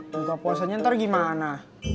buka puasanya ntar gimana